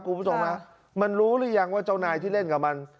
คุณผู้ชมฮะมันรู้หรือยังว่าเจ้านายที่เล่นกับมัน